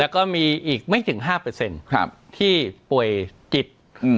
แล้วก็มีอีกไม่ถึงห้าเปอร์เซ็นต์ครับที่ป่วยจิตอืม